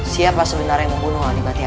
siapa sebenarnya yang membunuh alibati arya